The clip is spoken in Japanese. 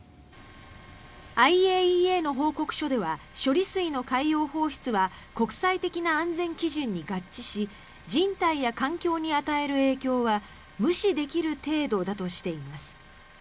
ＩＡＥＡの報告書では処理水の海洋放出は国際的な安全基準に合致し人体や環境に与える影響は無視できる程度だとしています。